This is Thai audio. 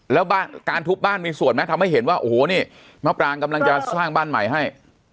แล้วการทุบบ้านมีส่วนไหมทำให้เห็นว่าโอ้โหนี่มะปรางกำลังจะสร้างบ้านใหม่ให้